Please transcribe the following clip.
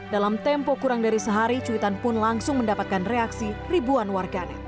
dalam tempo kurang dari sehari cuitan pun langsung mendapatkan reaksi ribuan warganet